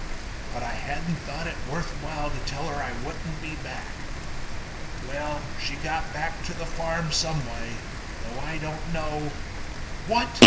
But I hadn't thought it worth while to tell her I wouldn't be back. Well, she got back to the farm some way, though I don't know—" "What!"